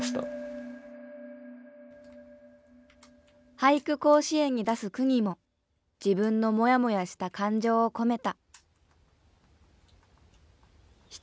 「俳句甲子園」に出す句にも自分のモヤモヤした感情を込めた。